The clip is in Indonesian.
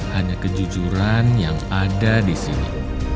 hanya kejujuran yang ada di sini